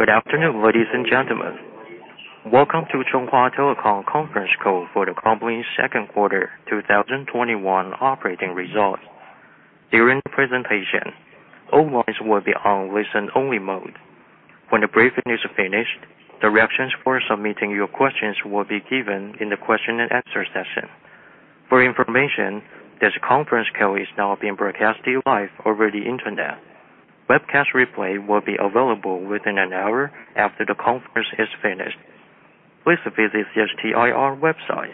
Good afternoon, ladies and gentlemen. Welcome to Chunghwa Telecom conference call for the company's second quarter 2021 operating results. During the presentation, all lines will be on listen-only mode. When the briefing is finished, the instructions for submitting your questions will be given in the question and answer session. For your information, this conference call is now being broadcasted live over the internet. Webcast replay will be available within an hour after the conference is finished. Please visit CHT IR website,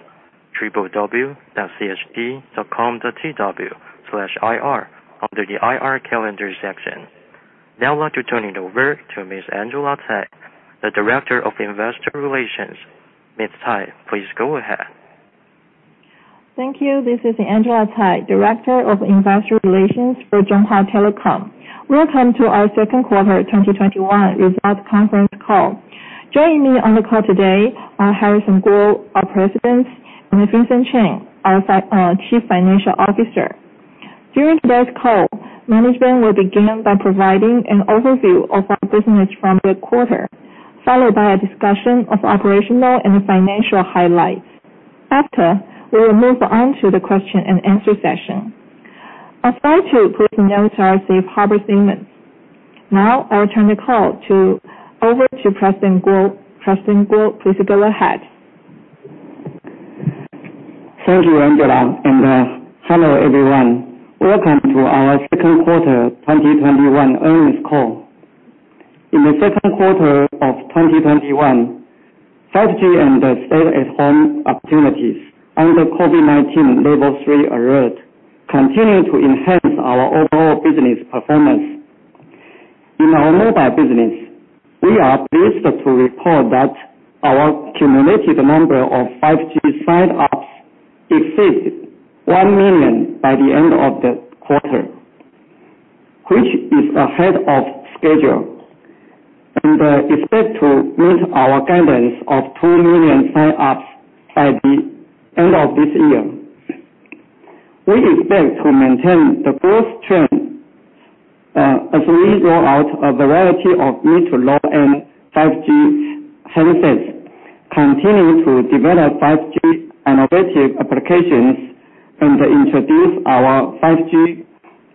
www.cht.com.tw/ir under the IR Calendar section. Now I'd like to turn it over to Ms. Angela Tsai, the Director of Investor Relations. Ms. Tsai, please go ahead. Thank you. This is Angela Tsai, Director of Investor Relations for Chunghwa Telecom. Welcome to our second quarter 2021 results conference call. Joining me on the call today are Harrison Kuo, our President, and Vincent Chen, our Chief Financial Officer. During today's call, management will begin by providing an overview of our business for the quarter, followed by a discussion of operational and financial highlights. After, we will move on to the question and answer session. I'd like to please note our safe harbor statements. Now, I will turn the call over to President Kuo. President Kuo, please go ahead. Thank you, Angela, and hello everyone. Welcome to our second quarter 2021 earnings call. In the second quarter of 2021, 5G and the stay-at-home opportunities under COVID-19 Level 3 Alert continued to enhance our overall business performance. In our mobile business, we are pleased to report that our cumulative number of 5G sign-ups exceeds 1 million by the end of the quarter, which is ahead of schedule, and expect to meet our guidance of 2 million sign-ups by the end of this year. We expect to maintain the growth trend as we roll out a variety of mid to low-end 5G handsets, continue to develop 5G innovative applications, and introduce our 5G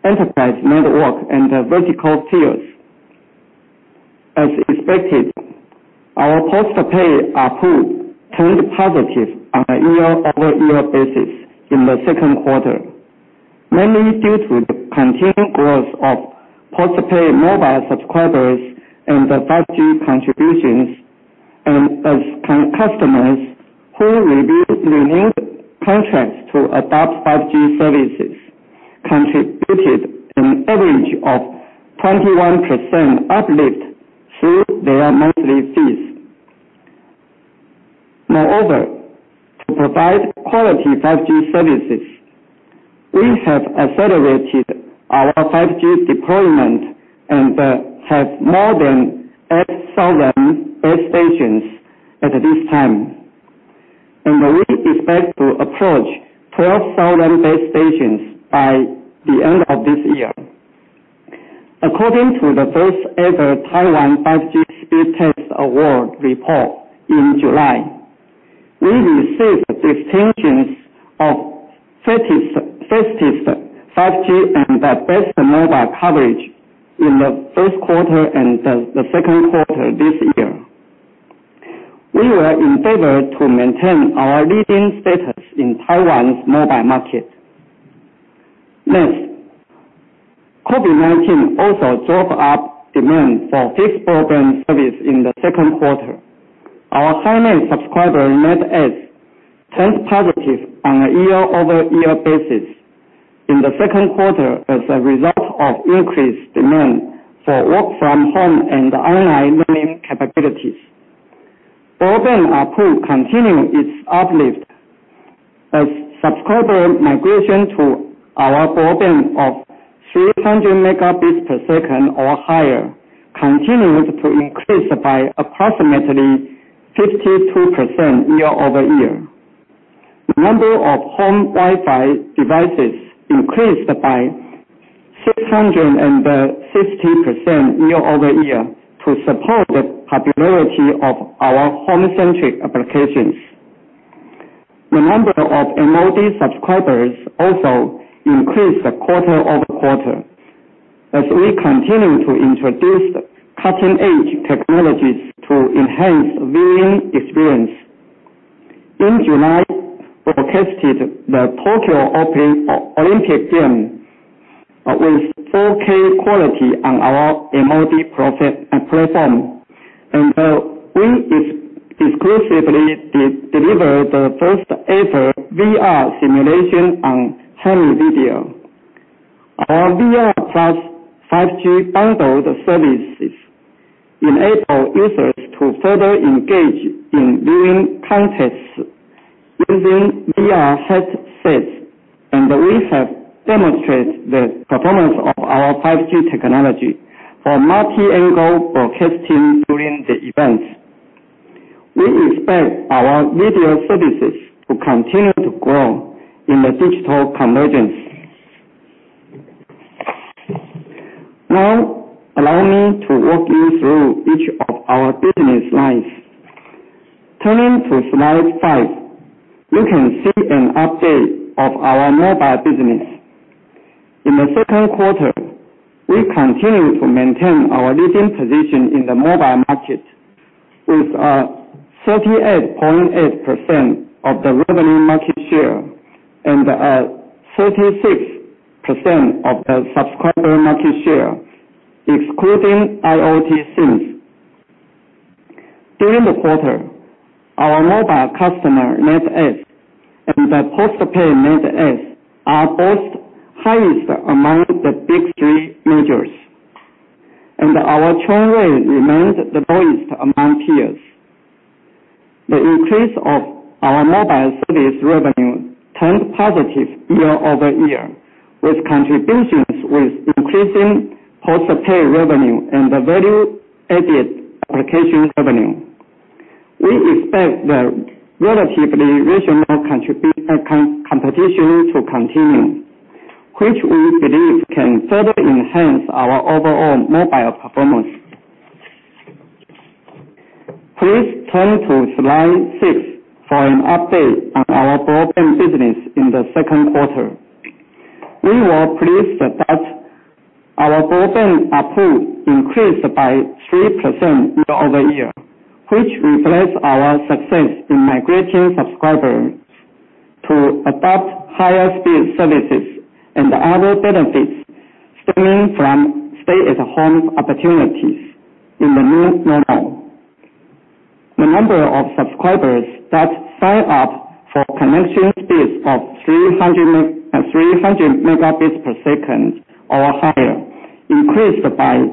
enterprise network in the vertical tiers. As expected, our postpaid ARPU turned positive on a year-over-year basis in the second quarter, mainly due to the continued growth of postpaid mobile subscribers and the 5G contributions, and as customers who renewed contracts to adopt 5G services contributed an average of 21% uplift through their monthly fees. Moreover, to provide quality 5G services, we have accelerated our 5G deployment and have more than 8,000 base stations at this time. We expect to approach 12,000 base stations by the end of this year. According to the first-ever Taiwan 5G Speed Test Award report in July, we received distinctions of fastest 5G and best mobile coverage in the first quarter and the second quarter this year. We are endeavored to maintain our leading status in Taiwan's mobile market. Next, COVID-19 also drove up demand for fixed broadband service in the second quarter. Our HiNet subscriber net adds turned positive on a year-over-year basis in the second quarter as a result of increased demand for work-from-home and online learning capabilities. Broadband ARPU continued its uplift as subscriber migration to our broadband of 300 Mbps or higher continued to increase by approximately 52% year-over-year. The number of home Wi-Fi devices increased by 660% year-over-year to support the popularity of our home-centric applications. The number of MOD subscribers also increased quarter-over-quarter as we continue to introduce cutting-edge technologies to enhance viewing experience. In July, we broadcasted the Tokyo Olympic Games with 4K quality on our MOD platform, and we exclusively delivered the first-ever VR simulation on home video. Our VR plus 5G bundled services enable users to further engage in viewing contents using VR headsets, and we have demonstrated the performance of our 5G technology for multi-angle broadcasting during the events. We expect our video services to continue to grow in the digital convergence. Allow me to walk you through each of our business lines. Turning to slide five, you can see an update of our mobile business. In the second quarter, we continued to maintain our leading position in the mobile market with 38.8% of the revenue market share and 36% of the subscriber market share, excluding IoT SIMs. During the quarter, our mobile customer net adds and the postpaid net adds are both highest among the big three majors. Our churn rate remained the lowest among peers. The increase of our mobile service revenue turned positive year-over-year, with contributions with increasing postpaid revenue and the value-added application revenue. We expect the relatively regional competition to continue, which we believe can further enhance our overall mobile performance. Please turn to slide six for an update on our broadband business in the second quarter. We were pleased that our broadband ARPU increased by 3% year-over-year, which reflects our success in migrating subscribers to adopt higher-speed services and other benefits stemming from stay-at-home opportunities in the new normal. The number of subscribers that sign up for connection speeds of 300 Mbps or higher increased by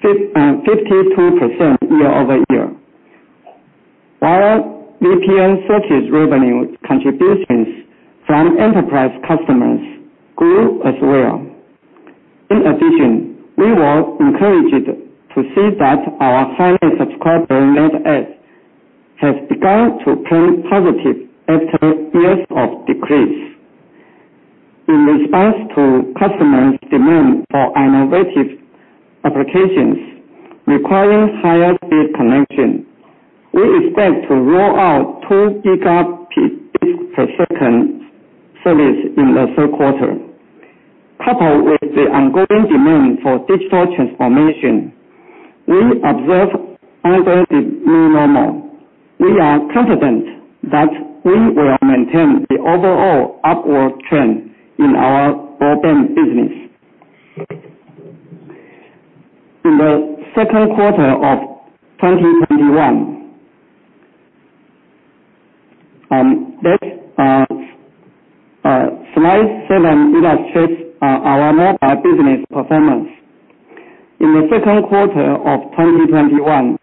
52% year-over-year, while VPN service revenue contributions from enterprise customers grew as well. In addition, we were encouraged to see that our fiber subscriber net adds has begun to turn positive after years of decrease. In response to customers' demand for innovative applications requiring higher-speed connection, we expect to roll out 2 Gbps service in the 3rd quarter. Coupled with the ongoing demand for digital transformation, we observe under the new normal, we are confident that we will maintain the overall upward trend in our broadband business. In the second quarter of 2021 slide seven illustrates our mobile business performance. In the second quarter of 2021,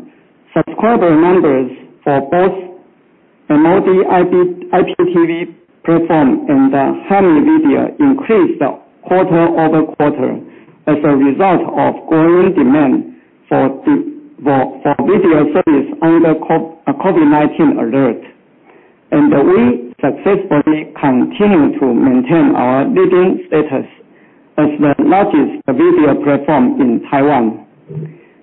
subscriber numbers for both MOD IPTV platform and Hami Video increased quarter-over-quarter as a result of growing demand for video service under COVID-19 alert. We successfully continued to maintain our leading status as the largest video platform in Taiwan.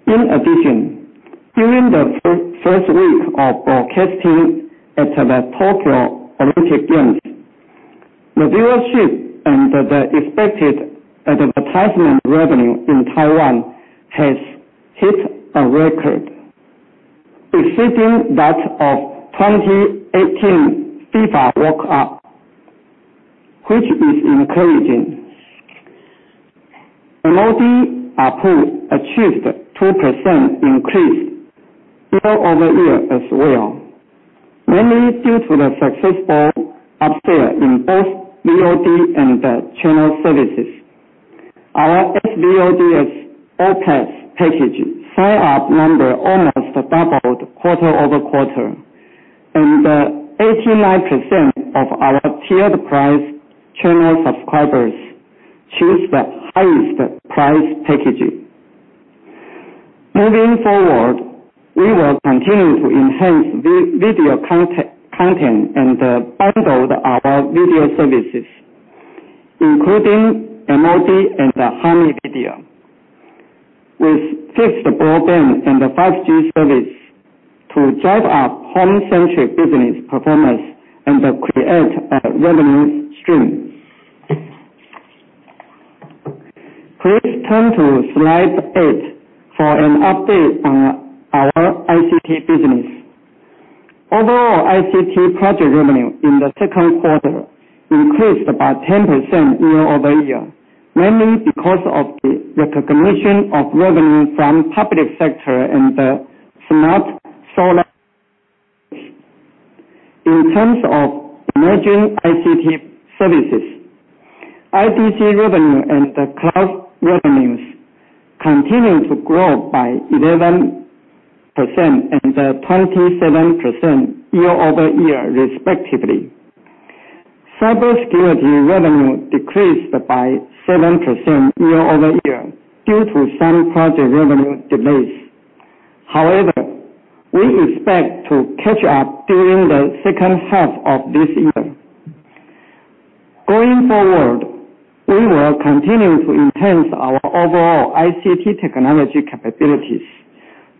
In addition, during the first week of broadcasting at the Tokyo Olympic Games, the viewership and the expected advertisement revenue in Taiwan has hit a record, exceeding that of 2018 FIFA World Cup, which is encouraging. MOD ARPU achieved 2% increase year-over-year as well, mainly due to the successful upsell in both VOD and the channel services. Our SVODs ALL PASS package sign-up number almost doubled quarter-over-quarter, and 89% of our tiered price channel subscribers chose the highest priced package. Moving forward, we will continue to enhance video content and bundle our video services, including MOD and the Hami Video, with fixed broadband and the 5G service to drive up home-centric business performance and create a revenue stream. Please turn to slide eight for an update on our ICT business. Overall ICT project revenue in the second quarter increased by 10% year-over-year, mainly because of the recognition of revenue from public sector and the smart solar. In terms of emerging ICT services, IDC revenue and the cloud revenues continued to grow by 11% and 27% year-over-year respectively. Cybersecurity revenue decreased by 7% year-over-year due to some project revenue delays. However, we expect to catch up during the second half of this year. Going forward, we will continue to enhance our overall ICT technology capabilities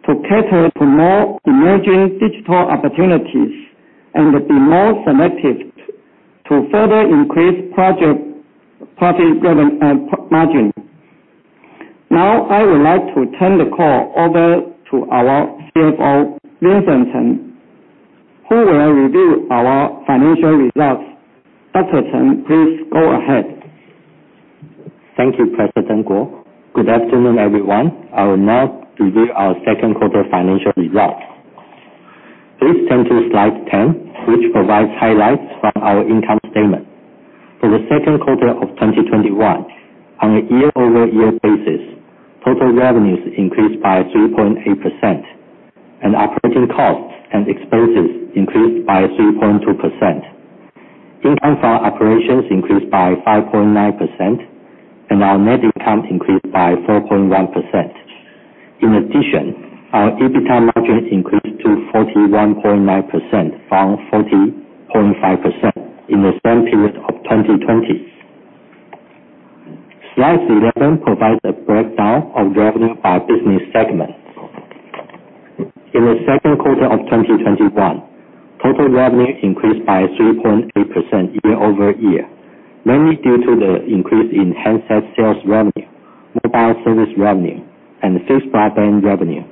to cater to more emerging digital opportunities and be more selective to further increase project margin. Now, I would like to turn the call over to our CFO, Vincent Chen, who will review our financial results. Dr. Chen, please go ahead. Thank you, President Kuo. Good afternoon, everyone. I will now review our second quarter financial results. Please turn to slide 10, which provides highlights from our income statement. For the second quarter of 2021, on a year-over-year basis, total revenues increased by 3.8%, and operating costs and expenses increased by 3.2%. Income for operations increased by 5.9%, and our net income increased by 4.1%. In addition, our EBITDA margin increased to 41.9% from 40.5% in the same period of 2020. Slide 11 provides a breakdown of revenue by business segment. In the second quarter of 2021, total revenue increased by 3.8% year-over-year, mainly due to the increase in handset sales revenue, mobile service revenue, and fixed broadband revenue,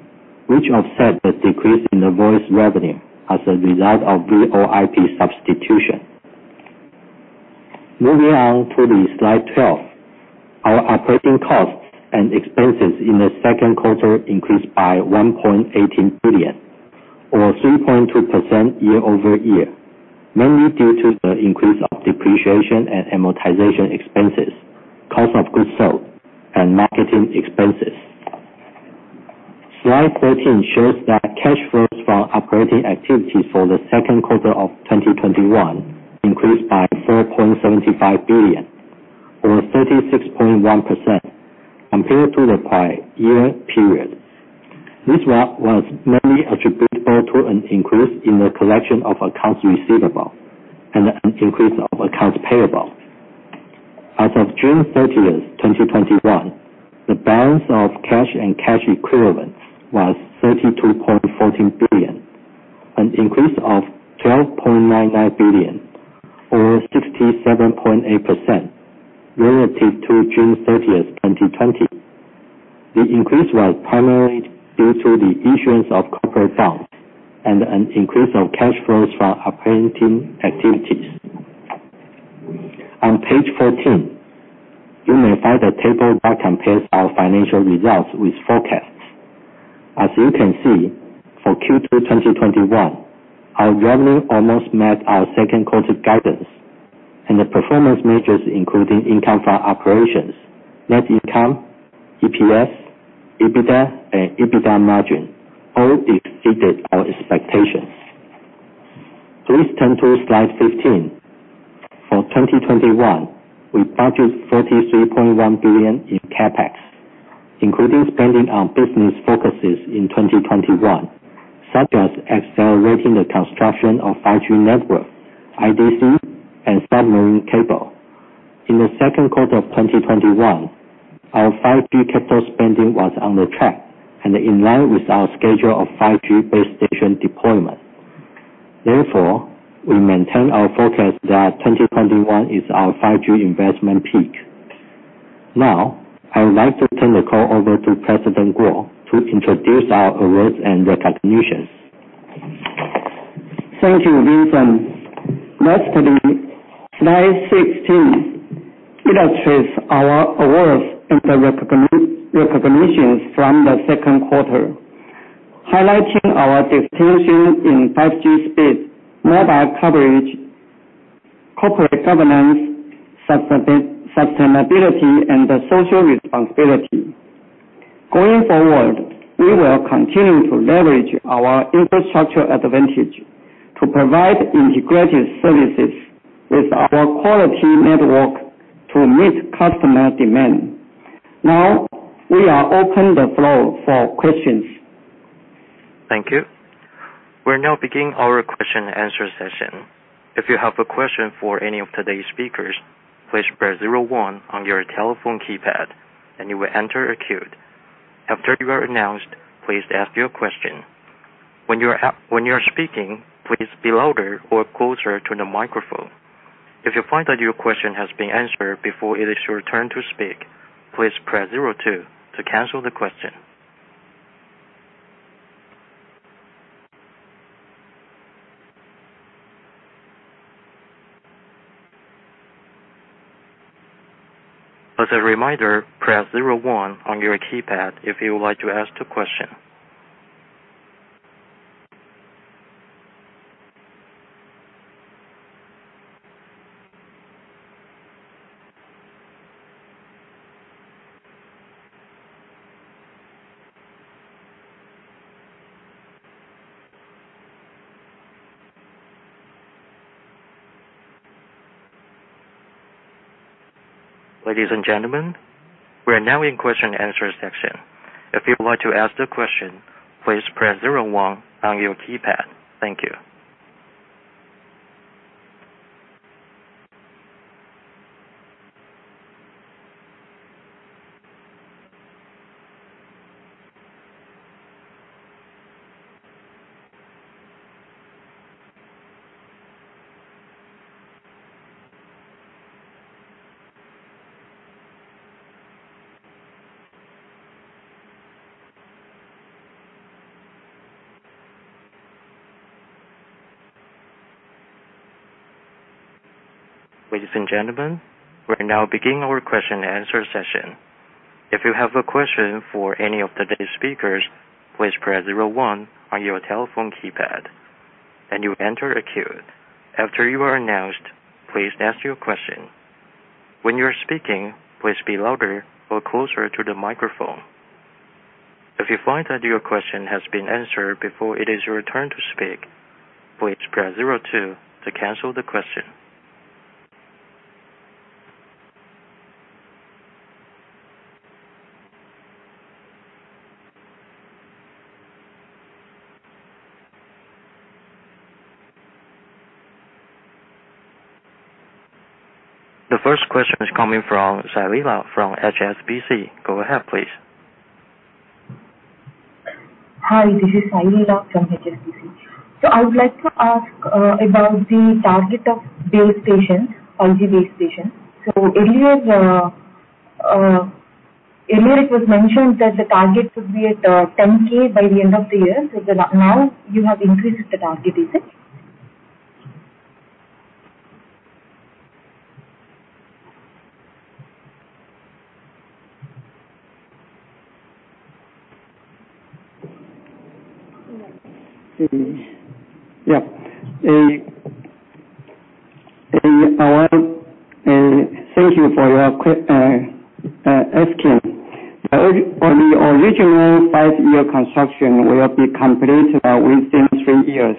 which offset the decrease in the voice revenue as a result of VoIP substitution. Moving on to slide 12. Our operating costs and expenses in the second quarter increased by 1.18 billion or 3.2% year-over-year, mainly due to the increase of depreciation and amortization expenses, cost of goods sold, and marketing expenses. Slide 13 shows that cash flows from operating activities for the second quarter of 2021 increased by 4.75 billion or 36.1% compared to the prior year period. This was mainly attributable to an increase in the collection of accounts receivable and an increase of accounts payable. As of June 30th, 2021, the balance of cash and cash equivalents was 32.14 billion, an increase of 12.99 billion or 67.8% relative to June 30th, 2020. The increase was primarily due to the issuance of corporate bonds and an increase of cash flows from operating activities. On page 14, you may find a table that compares our financial results with forecasts. As you can see, for Q2 2021, our revenue almost met our second quarter guidance and the performance measures including income for operations, net income, EPS, EBITDA, and EBITDA margin all exceeded our expectations. Please turn to slide 15. For 2021, we budget 43.1 billion in CapEx, including spending on business focuses in 2021, such as accelerating the construction of 5G network, IDC, and submarine cable. In the second quarter of 2021, our 5G capital spending was on track and in line with our schedule of 5G base station deployment. Therefore, we maintain our forecast that 2021 is our 5G investment peak. I would like to turn the call over to President Kuo to introduce our awards and recognitions. Thank you, Vincent. Lastly, slide 16 illustrates our awards and the recognitions from the second quarter, highlighting our distinction in 5G speed, mobile coverage, corporate governance, sustainability, and social responsibility. Going forward, we will continue to leverage our infrastructure advantage to provide integrated services with our quality network to meet customer demand. Now, we are open the floor for questions. Thank you. We'll now begin our question and answer session. If you have a question for any of today's speakers, please press zero one on your telephone keypad and you will The first question is coming from Sailila from HSBC. Go ahead, please. Hi, this is Sailila from HSBC. I would like to ask about the target of base station, 5G base station. Earlier it was mentioned that the target would be at 10,000 by the end of the year. Now you have increased the target, is it? Yeah. Thank you for asking. The original five-year construction will be completed within three years.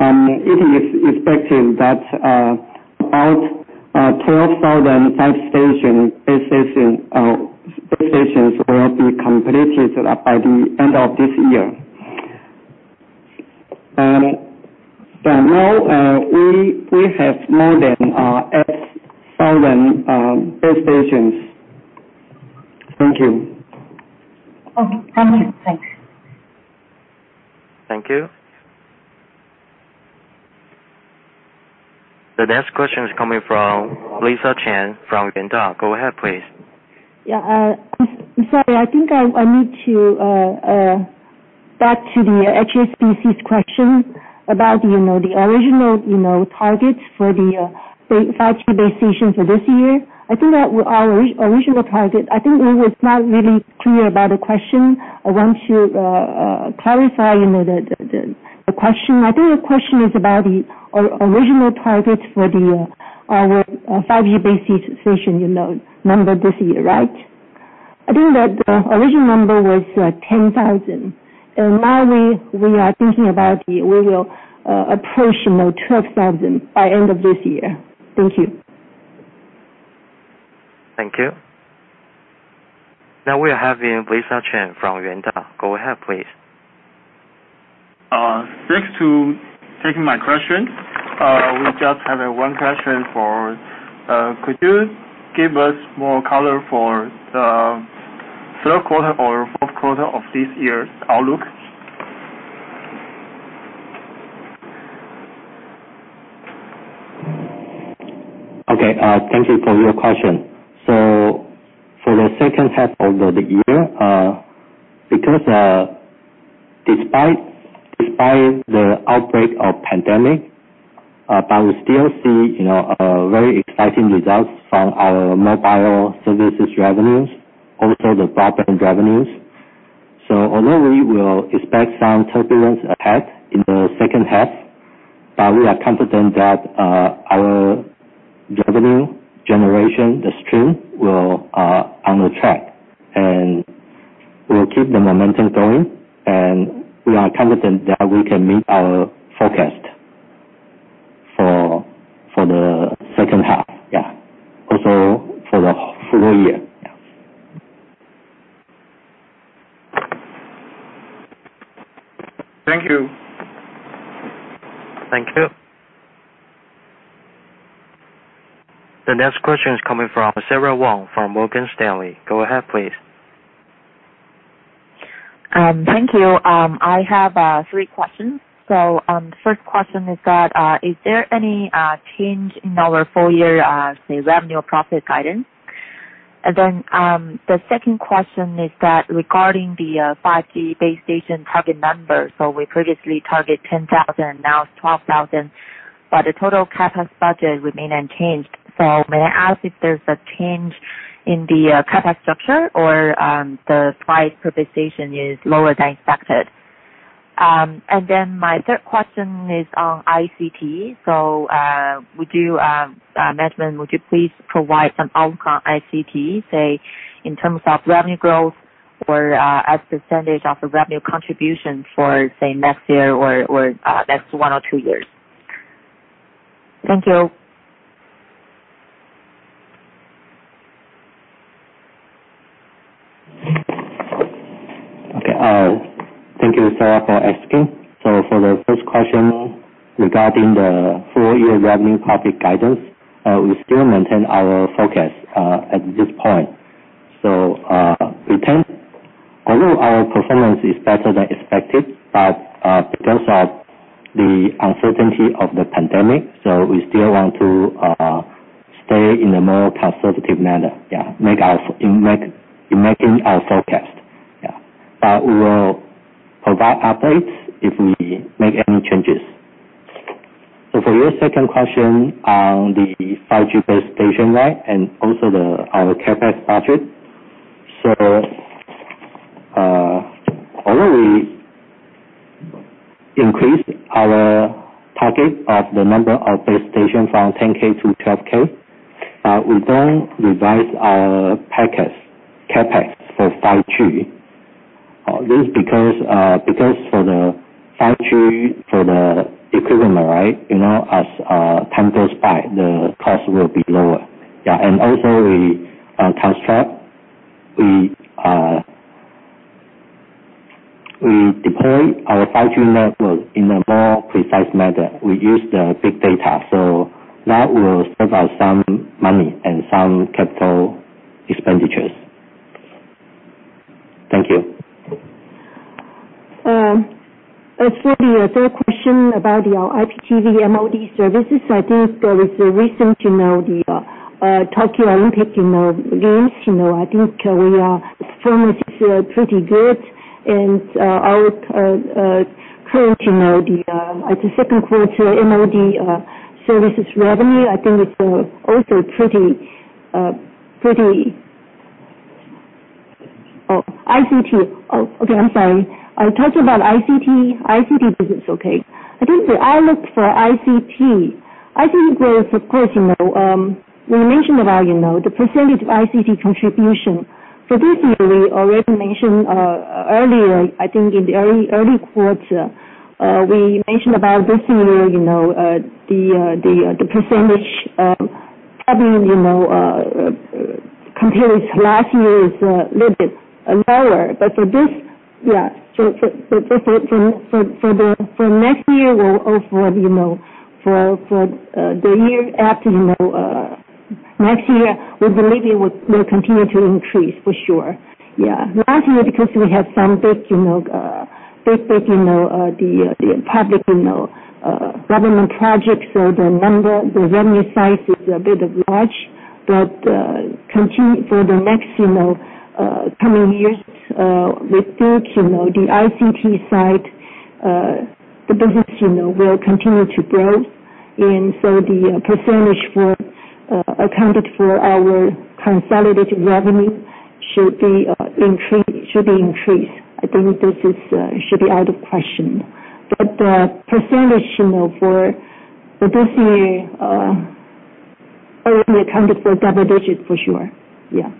It is expected that about 12,005 base stations will be completed by the end of this year. Now we have more than 8,000 base stations. Thank you. Okay. Thank you. Thank you. The next question is coming from Lisa Chen from Yuanta. Go ahead, please. Yeah. Sorry, I think I need to go back to the HSBC's question about the original targets for the 5G base station for this year. I think our original target, I think it was not really clear about the question. I want to clarify the question. I think the question is about the original target for our 5G base station number this year, right? I think that the original number was 10,000, and now we are thinking about it. We will approach more 12,000 by end of this year. Thank you. Thank you. Now we are having Lisa Chen from Yuanta. Go ahead, please. Thanks for taking my question. I'll just have one question. Could you give us more color for the third quarter or fourth quarter of this year's outlook? Okay. Thank you for your question. For the second half of the year, because despite the outbreak of pandemic, but we still see very exciting results from our mobile services revenues, also the broadband revenues. Although we will expect some turbulence ahead in the second half, but we are confident that our revenue generation, the stream will, on the track, and we'll keep the momentum going, and we are confident that we can meet our forecast for the second half. Yeah. Also for the full year. Yeah. Thank you. Thank you. The next question is coming from Sara Wang from Morgan Stanley. Go ahead, please. Thank you. I have three questions. First question is that, is there any change in our full year, say, revenue profit guidance? The second question is that regarding the 5G base station target number. We previously target 10,000, now it's 12,000, but the total CapEx budget remain unchanged. May I ask if there's a change in the CapEx structure or the price per base station is lower than expected? My third question is on ICT. Management, would you please provide some outlook on ICT, say, in terms of revenue growth or as percentage of the revenue contribution for, say, next year or next one or two years? Thank you. Thank you, Sara, for asking. For the first question regarding the full-year revenue topic guidance, we still maintain our focus at this point. Although our performance is better than expected, because of the uncertainty of the pandemic, we still want to stay in a more conservative manner in making our forecast. We will provide updates if we make any changes. For your second question on the 5G base station and also our CapEx budget. Although we increased our target of the number of base stations from 10,000-12,000, we don't revise our CapEx for 5G. This is because for the 5G, for the equipment, as time goes by, the cost will be lower. Also we deploy our 5G network in a more precise manner. We use big data. That will save us some money and some capital expenditures. Thank you. For the third question about our IPTV/MOD services, I think there is a recent Tokyo Olympic Games. I think we are performing pretty good. Our growth, the second quarter MOD services revenue, I think it's also pretty ICT. Okay, I'm sorry. I talked about ICT business, okay. I think the outlook for ICT, I think there is, of course, we mentioned about the percentage of ICT contribution. For this year, we already mentioned earlier, I think in the early quarter, we mentioned about this year, the percentage of revenue compared to last year is a little bit lower. For next year or for the year after next year, we believe it will continue to increase, for sure. Yeah. Last year, because we had some big public government projects. The revenue size is a bit large, but for the next coming years, we think the ICT side, the business will continue to grow. The percentage accounted for our consolidated revenue should increase. I think this should be out of question. The percentage for this year, already accounted for double digits for sure. Yeah.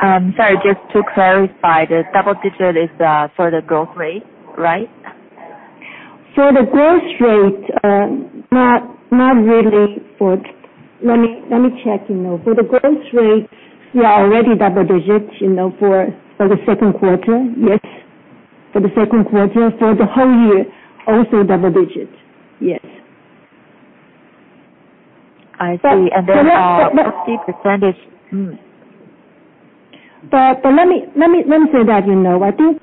Sorry, just to clarify, the double digit is for the growth rate, right? For the growth rate, not really. Let me check. For the growth rate, we are already double digits for the second quarter. Yes. For the second quarter. For the whole year, also double digits. Yes. I see. But. Specific percentage. Let me say that I think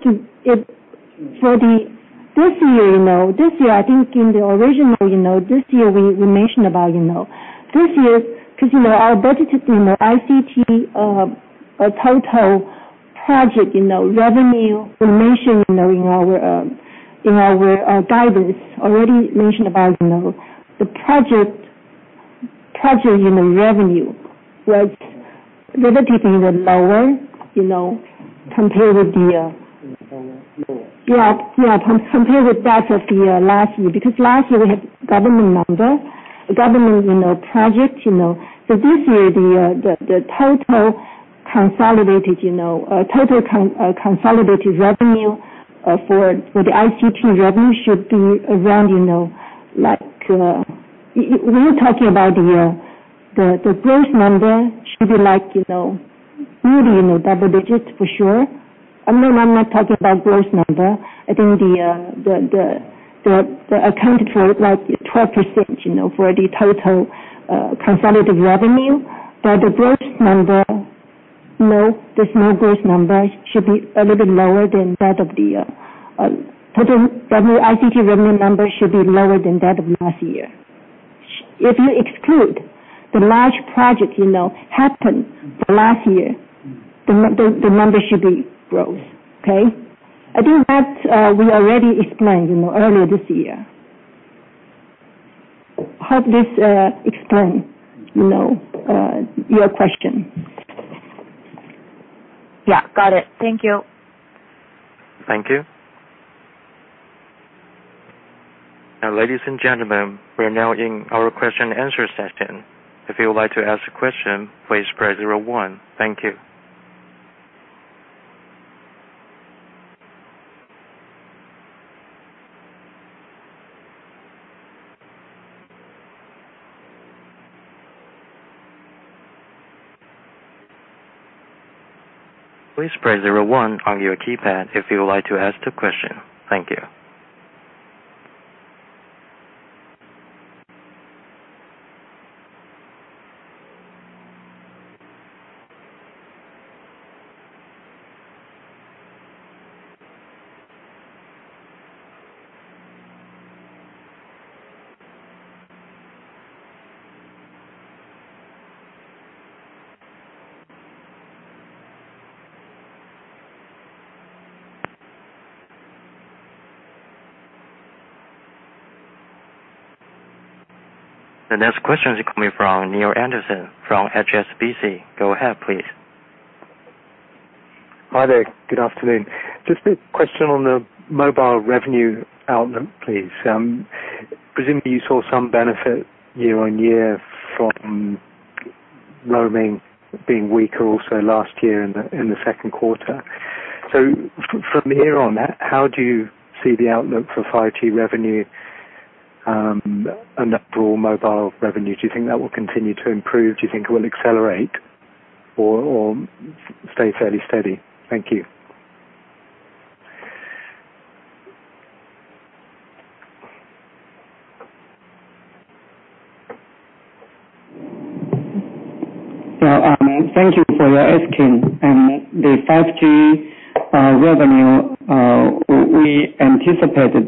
for this year, I think in the original, this year, we mentioned about this year, because our budget, ICT total project revenue we mentioned in our guidance. Already mentioned about the project revenue was relatively lower compared with the, lower. Yeah. Compared with that of last year, because last year we had government projects. This year, the total consolidated revenue for the ICT revenue should be around, we're talking about the gross number should be really in the double digits for sure. I'm not talking about gross number. I think the accounted for 12% for the total consolidated revenue. The gross number, the small gross number, ICT revenue number should be lower than that of last year. If you exclude the large project happened last year, the number should be gross. Okay? I think that we already explained earlier this year. Hope this explains your question. Yeah, got it. Thank you. Thank you. Now, ladies and gentlemen, we are now in our question and answer session. If you would like to ask a question, please press zero one. Thank you. Thank you. The next question is coming from Neale Anderson from HSBC. Go ahead, please. Hi there. Good afternoon. Just a question on the mobile revenue outlet, please. Presumably you saw some benefit year-on-year from roaming being weaker also last year in the second quarter. From here on, how do you see the outlook for 5G revenue, and the overall mobile revenue? Do you think that will continue to improve? Do you think it will accelerate or stay fairly steady? Thank you. Thank you for your asking. The 5G revenue, we anticipate that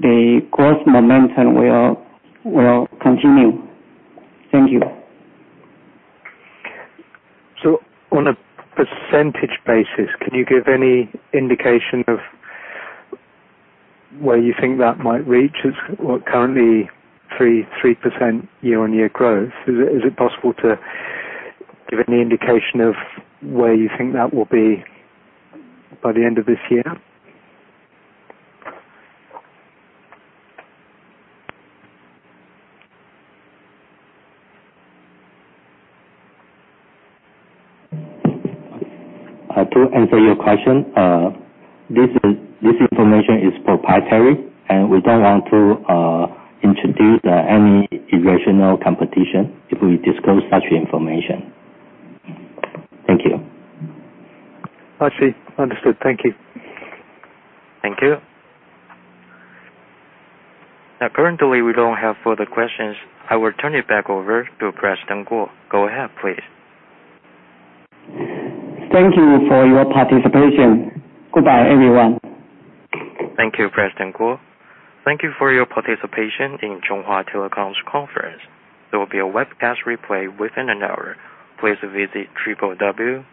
the growth momentum will continue. Thank you. On a percentage basis, could you give any indication of where you think that might reach? It's currently 3% year-on-year growth. Is it possible to give any indication of where you think that will be by the end of this year? To answer your question, this information is proprietary, and we don't want to introduce any irrational competition if we disclose such information. Thank you. Actually, understood. Thank you. Thank you. Currently, we don't have further questions. I will turn it back over to President Kuo. Go ahead, please. Thank you for your participation. Goodbye, everyone. Thank you, President Kuo. Thank you for your participation in Chunghwa Telecom's conference. There will be a webcast replay within an hour. Please visit www.cht.com.tw.